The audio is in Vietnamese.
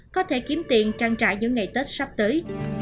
có thể kiếm tiền trang trải những ngày tết sắp tới